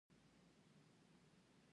د شهادت دغه غټه درجه يې ولې ما له رانه کړه.